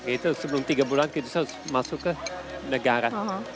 itu sebelum tiga bulan kita masuk ke negara